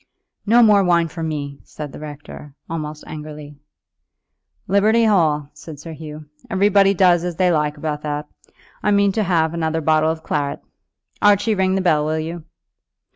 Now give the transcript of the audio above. "No more wine for me," said the rector, almost angrily. "Liberty Hall," said Sir Hugh; "everybody does as they like about that. I mean to have another bottle of claret. Archie, ring the bell, will you?"